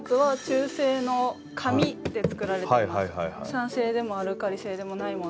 酸性でもアルカリ性でもないものを。